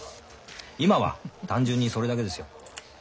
今は単純にそれだけですよ。